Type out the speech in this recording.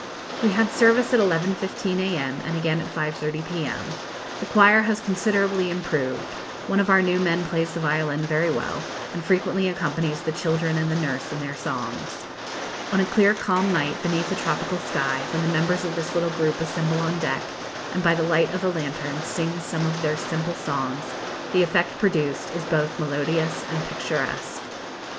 We had service at 11.15 a.m., and again at 5.30 p.m. The choir has considerably improved; one of our new men plays the violin very well, and frequently accompanies the children and the nurse in their songs. On a clear calm night, beneath a tropical sky, when the members of this little group assemble on deck, and, by the light of a lantern, sing some of their simple songs, the effect produced is both melodious and picturesque.